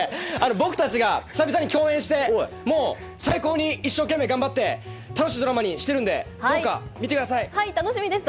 僕たちが久々に共演して、もう最高に一生懸命頑張って、楽しいドラマにしてるんで、楽しみです。